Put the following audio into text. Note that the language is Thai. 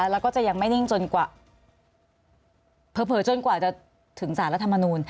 แล้วก็จะยังไม่นิ่งจนกว่าเผลอจนกว่าจะถึงสารรัฐมนูล